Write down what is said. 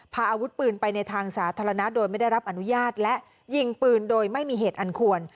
พาอาวุธปืนไปในทางสาธารณะโดยไม่ได้รับอนุญาตและยิงปืนโดยไม่มีเหตุอันควร